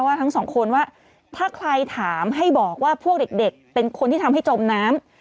ทั้งสองคนว่าถ้าใครถามให้บอกว่าพวกเด็กเป็นคนที่ทำให้จมน้ำ